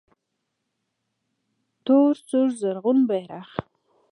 تور سور زرغون بیرغ